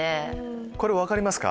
これ分かりますか？